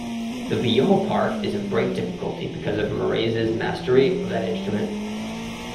The viol part is of great difficulty because of Marais's mastery of that instrument.